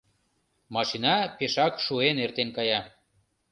Машина пешак шуэн эртен кая.